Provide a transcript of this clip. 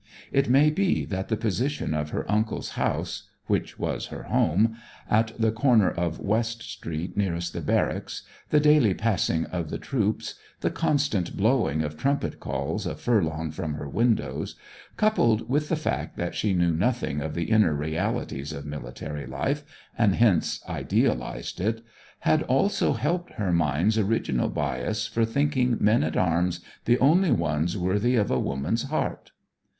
It may be that the position of her uncle's house (which was her home) at the corner of West Street nearest the barracks, the daily passing of the troops, the constant blowing of trumpet calls a furlong from her windows, coupled with the fact that she knew nothing of the inner realities of military life, and hence idealized it, had also helped her mind's original bias for thinking men at arms the only ones worthy of a woman's heart.